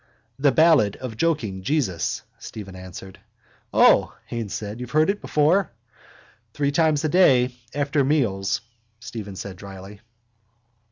—The ballad of joking Jesus, Stephen answered. —O, Haines said, you have heard it before? —Three times a day, after meals, Stephen said drily.